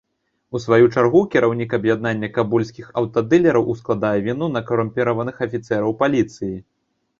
У сваю чаргу, кіраўнік аб'яднання кабульскіх аўтадылераў ускладае віну на карумпіраваных афіцэраў паліцыі.